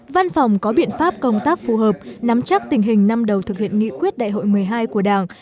văn phòng có biện pháp công tác phù hợp nắm chắc tình hình năm đầu thực hiện nghị quyết đại hội một mươi hai của đảng